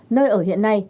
nơi ở hiện nay